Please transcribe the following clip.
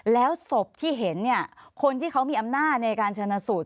แล้วศพที่เห็นเนี่ยคนที่เขามีอำนาจในการชนะสูตร